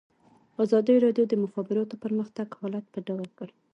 ازادي راډیو د د مخابراتو پرمختګ حالت په ډاګه کړی.